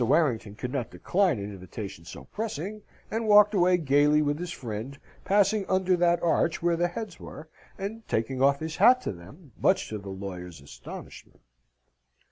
Warrington could not decline an invitation so pressing, and walked away gaily with his friend, passing under that arch where the heads were, and taking off his hat to them, much to the lawyer's astonishment.